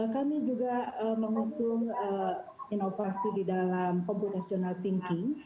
kami juga mengusung inovasi di dalam computational thinking